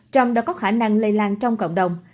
trong đó có khả năng lây lan trong cộng đồng